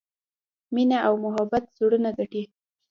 مینه او محبت زړونه ګټي.